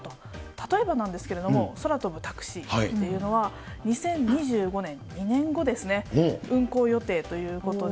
例えばなんですけれども、空飛ぶタクシーというのは、２０２５年、２年後ですね、運行予定ということで。